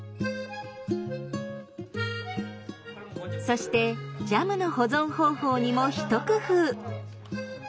そしてジャムの保存方法にも一工夫。